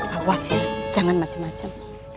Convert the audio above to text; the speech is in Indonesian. awas ya jangan macem macem